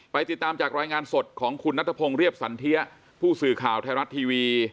ติดตามจากรายงานสดของคุณนัทพงศ์เรียบสันเทียผู้สื่อข่าวไทยรัฐทีวี